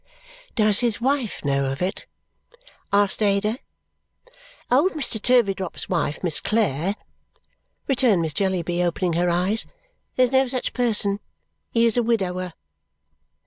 "Does his wife know of it?" asked Ada. "Old Mr. Turveydrop's wife, Miss Clare?" returned Miss Jellyby, opening her eyes. "There's no such person. He is a widower."